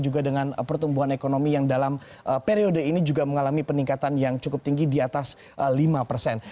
jadi kembali ke pengangguran pertumbuhan ekonomi yang dalam periode ini mengalami peningkatan yang cukup tinggi di atas lima persen